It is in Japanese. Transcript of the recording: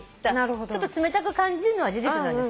ちょっと冷たく感じるのは事実なんです。